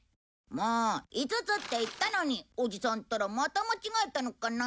もう５つって言ったのにおじさんったらまた間違えたのかな？